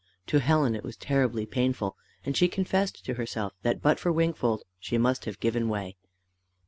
To Helen it was terribly painful, and she confessed to herself that but for Wingfold she must have given way.